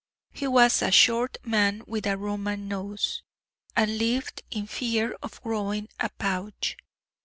He was a short man with a Roman nose, and lived in fear of growing a paunch.